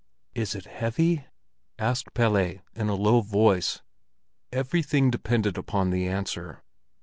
"Is it heavy?" asked Pelle, in a low voice; everything depended upon the answer.